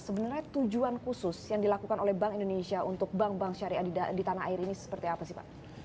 sebenarnya tujuan khusus yang dilakukan oleh bank indonesia untuk bank bank syariah di tanah air ini seperti apa sih pak